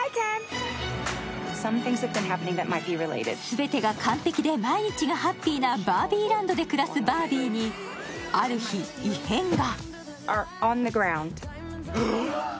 全てが完璧で毎日がハッピーなバービーランドで暮らすバービーにある日、異変が。